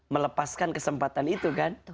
melepaskan kesempatan itu kan